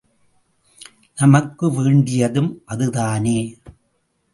நமக்கு வேண்டியதும் அது தானே?